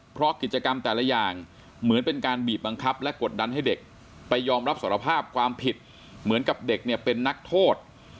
เพราะกิจกรรมแต่ละอย่างเหมือนเป็นการบีบบังคับและกดดันให้เด็กไปยอมรับสารภาพความผิดเหมือนกับเด็กเนี่ยเป็นนักโทษ